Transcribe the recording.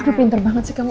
aduh pinter banget sih kamu